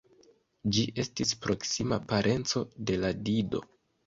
Ĝi estis proksima parenco de la Dido.